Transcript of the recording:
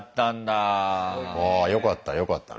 あよかったよかったね。